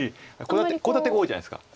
コウ立てが多いじゃないですか。